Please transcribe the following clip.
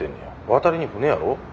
渡りに船やろ。